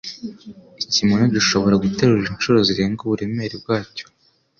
Ikimonyo gishobora guterura inshuro zirenga uburemere bwacyo.